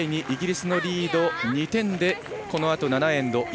イギリスのリード２点でこのあと７エンド。